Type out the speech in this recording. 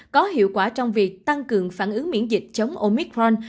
có hiệu quả trong việc tăng cường phản ứng miễn dịch chống oicron